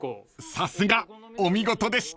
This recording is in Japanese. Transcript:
［さすがお見事でした］